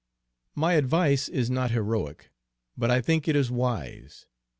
"My advice is not heroic, but I think it is wise.